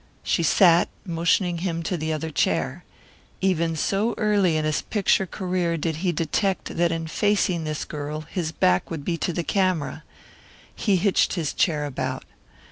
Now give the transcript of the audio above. She sat, motioning him to the other chair. Even so early in his picture career did he detect that in facing this girl his back would be to the camera. He hitched his chair about.